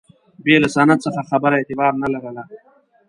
بې له سند څخه خبره اعتبار نه لرله.